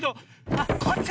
あっこっち？